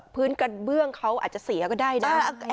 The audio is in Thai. พื้นกระเบื้องเขาอาจจะเสียก็ได้นะ